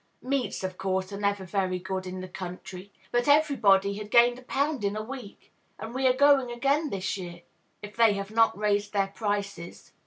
Meats, of course, are never very good in the country. But everybody gained a pound a week; and we are going again this year, if they have not raised their prices."